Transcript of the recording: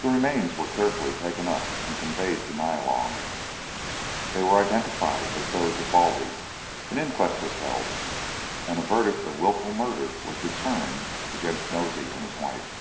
The remains were carefully taken up and conveyed to Nyalong; they were identified as those of Baldy; an inquest was held, and a verdict of wilful murder was returned against Nosey and his wife.